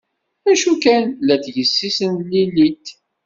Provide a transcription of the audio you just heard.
Acu kan, llant yessi-s n Lilit.